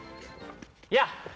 いや！